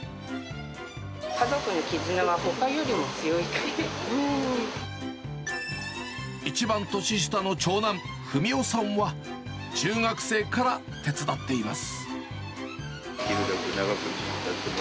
家族の絆はほかよりも強いか一番年下の長男、文生さんは、中学生から手伝っています。